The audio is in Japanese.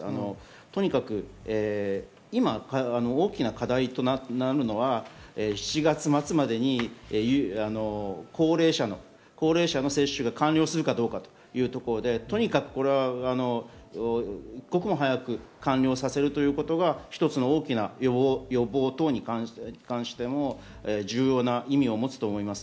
とにかく今、大きな課題となるのは７月末までに高齢者の接種が完了するかどうかというところで一刻も早く完了させるということは一つの予防等に関しても重要な意味を持つと思います。